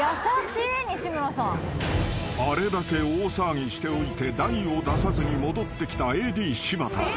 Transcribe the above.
［あれだけ大騒ぎしておいて大を出さずに戻ってきたＡＤ柴田］